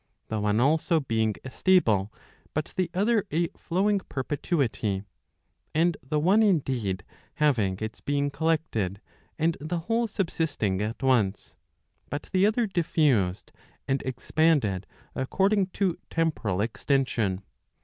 The one also being a stable, but the other a flowing perpetuity. And the one indeed having its being collected, and the whole subsisting at once, but the other diffused, and expanded according to temporal extension.